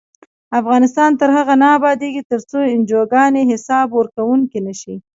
افغانستان تر هغو نه ابادیږي، ترڅو انجوګانې حساب ورکوونکې نشي.